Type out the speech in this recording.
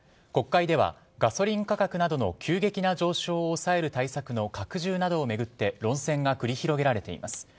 国会ではガソリン価格などの急激な上昇を抑える対策の拡充などを巡って論戦が繰り広げられています。